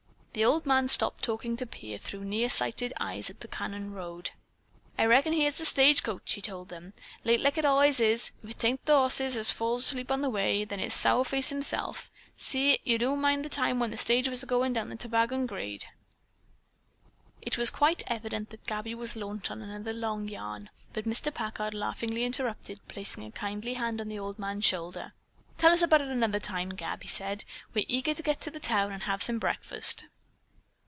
The old man stopped talking to peer through near sighted eyes at the canon road. "I reckon here's the stage coach," he told them, "late, like it allays is. If 'tain't the ho'ses as falls asleep on the way, then it's Sourface his self. Si, do yo' mind the time when the stage was a goin' down the Toboggan Grade " It was quite evident that Gabby was launched on another long yarn, but Mr. Packard laughingly interrupted, placing a kindly hand on the old man's shoulder. "Tell us about that at another time, Gab," he said. "We're eager to get to the town and have some breakfast."